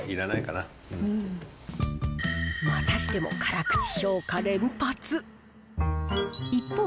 またしても、辛口評価連発。